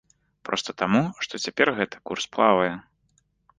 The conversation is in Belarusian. Проста таму, што цяпер гэты курс плавае.